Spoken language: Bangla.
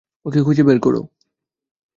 ওকে খুঁজে বের করো।